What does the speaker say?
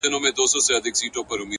هره ورځ د ځان سمون فرصت لري!.